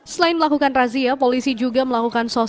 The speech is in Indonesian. selain melakukan razia polisi juga melakukan sosialisasi